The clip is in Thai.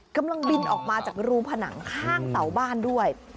กำลังบินออกมาจากรูผนังข้างเสาบ้านด้วย